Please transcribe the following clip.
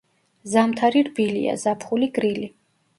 ზამთარი რბილია, ზაფხული გრილი.